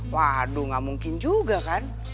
waduh gak mungkin juga kan